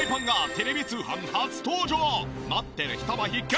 持ってる人も必見！